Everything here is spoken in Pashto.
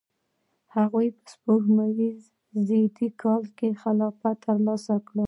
هغوی په سپوږمیز زیږدیز کال کې خلافت ترلاسه کړ.